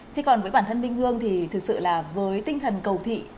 thế còn với bản thân minh hương thì thực sự là với tinh thần cầu thị